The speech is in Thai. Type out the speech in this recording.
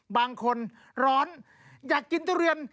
บางคนร้อนอยากกินทุเรียน